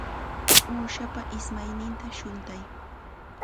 Uushapa ismayninta shuntay.